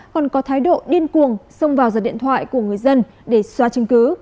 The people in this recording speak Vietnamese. còn có thái độ điên cuồng xông vào giật điện thoại của người dân để xóa chứng cứ